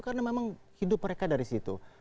karena memang hidup mereka dari situ